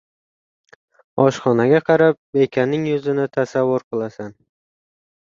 • Oshxonaga qarab bekaning yuzini tasavvur qilasan.